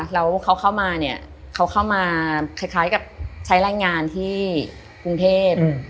แล้วเขาเข้ามาเนี่ยเขาเข้ามาคล้ายกับใช้รายงานที่กรุงเทพ